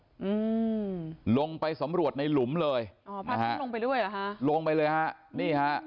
อืมลงไปสำรวจในหลุมเลยอ๋อพระท่านลงไปด้วยเหรอฮะลงไปเลยฮะนี่ฮะ